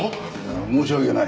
申し訳ない。